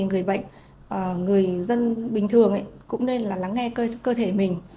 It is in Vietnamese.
người bệnh người dân bình thường cũng nên là lắng nghe cơ thể mình